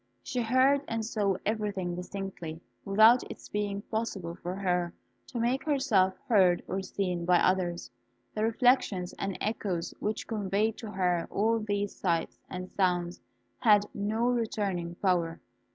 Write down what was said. She heard and saw everything distinctly, without its being possible for her to make herself heard or seen by others. The reflections and echoes which conveyed to her all these sights and sounds had no returning power.